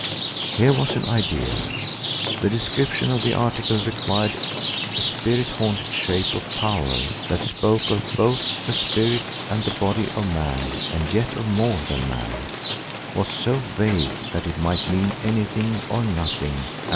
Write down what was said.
Here was an idea. The description of the article required, a "spirit haunted shape of power" that spoke "both of the spirit and the body of man and yet of more than man," was so vague that it might mean anything or nothing.